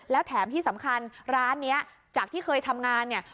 แล้วแถมที่สำคัญร้านนี้จากที่เคยทำงานเนี่ย